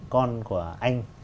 con của anh